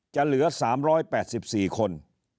จะเหลือ๓๘๔คน